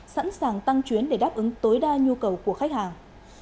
sẵn sàng tăng chuyến để đáp ứng tối đa nhu cầu của khách hàng